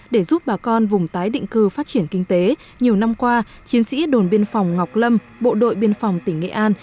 để giúp bà con vùng tái định cư phát triển kinh tế nhiều năm qua chiến sĩ đồn biên phòng ngọc lâm bộ đội biên phòng tỉnh nghệ an